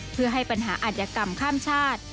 เพื่อให้ปัญหาอัธยกรรมข้ามชาติ